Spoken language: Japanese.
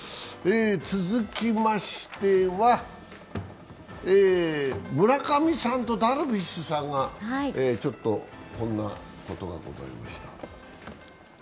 続きましては、村上さんとダルビッシュさんがこんなことがございました。